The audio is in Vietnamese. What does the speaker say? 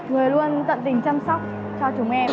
người luôn tận tình chăm sóc cho chúng em